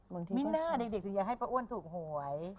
มิ้นหน้าเด็กถึงอยากให้ป้าอ้วนถูกหวย